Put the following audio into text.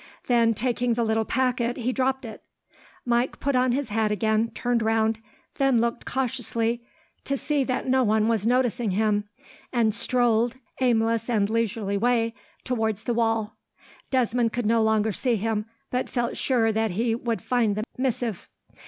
Then, taking the little packet, he dropped it. Mike put on his hat again, turned round, then looked cautiously to see that no one was noticing him, and strolled, in an aimless and leisurely way, towards the wall. Desmond could no longer see him, but felt sure that he would find the missive.